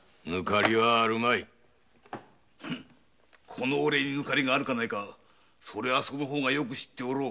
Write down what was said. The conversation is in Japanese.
この俺にぬかりがあるかないかその方がよく知っておろう。